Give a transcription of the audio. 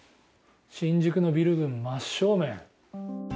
新宿のビル群、真正面。